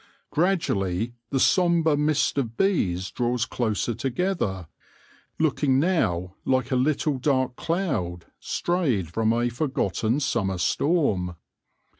Gradually the sombre mist of bees draws closer together, looking now like a Ettle dark cloud strayed from a forgotten summer storm.